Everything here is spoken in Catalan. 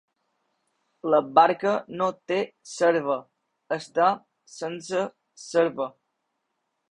La barca no té serva, està sense serva.